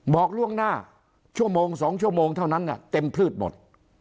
บอกล่วงหน้าชั่วโมง๒ชั่วโมงเท่านั้นเต็มพืชหมด